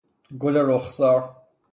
گل رخسار